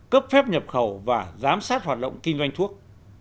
cấp phép nhập khẩu và giám sát hoạt động kinh doanh thuốc